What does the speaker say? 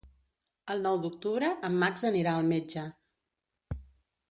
El nou d'octubre en Max anirà al metge.